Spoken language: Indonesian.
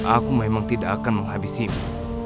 aku memang tidak akan menghabisimu